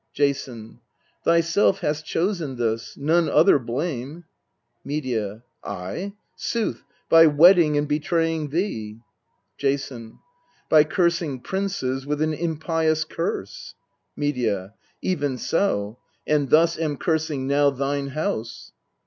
Jason. Thyself hast chosen this : none other blame. Medea. I ? sooth, by wedding and betraying thee ! Jason. By cursing princes with an impious curse. Medea. Even so and thus am cursing now thine house